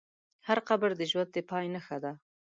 هر قبر د ژوند د پای نښه ده.